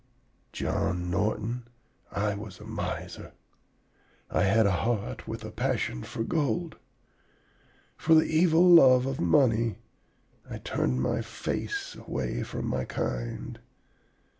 "'John Norton, I was a miser; I had a heart with a passion for gold. For the evil love of money I turned my face away from my kind.